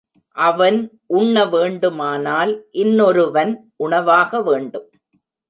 அவன் உண்ண வேண்டுமானால் இன்னொருவன் உணவாக வேண்டும்.